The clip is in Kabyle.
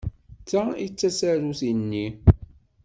D ta ay d tasarut-nni.